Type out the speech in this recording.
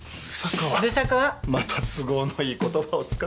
また都合のいい言葉を使って。